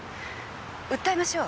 訴えましょう。